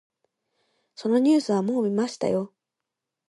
そのニュースはもう見ましたよ。